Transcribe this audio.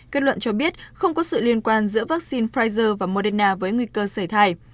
kết luận cho biết không có sự liên quan giữa vaccine pfizer và moderna với nguy cơ sởi thai